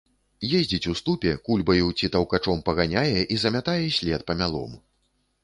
Ездзіць у ступе, кульбаю ці таўкачом паганяе і замятае след памялом.